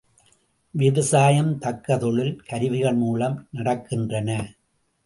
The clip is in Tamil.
விவசாயம் தக்க தொழில் கருவிகள் மூலம் நடக்கின்றன.